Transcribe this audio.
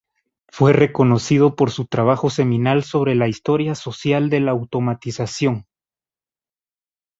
Fue reconocido por su trabajo seminal sobre la historia social de la automatización.